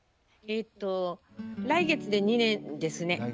えっと来月で２年ですね。